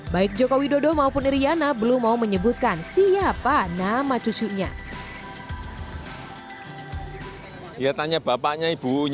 baik joko widodo maupun iryana belum mau menyebutkan siapa nama cucunya